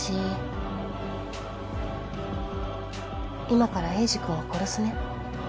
今からエイジ君を殺すね